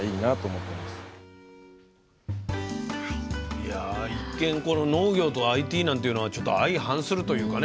いや一見この農業とＩＴなんていうのはちょっと相反するというかね